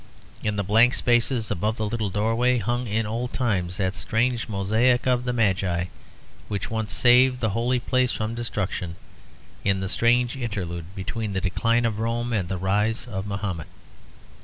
In the blank spaces above the little doorway hung in old times that strange mosaic of the Magi which once saved the holy place from destruction, in the strange interlude between the decline of Rome and the rise of Mahomet.